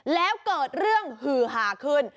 แล้วเกิดเรื่องหือหาขึ้น